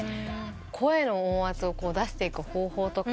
声の音圧を出していく方法とか。